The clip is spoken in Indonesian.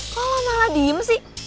kok lo malah diem sih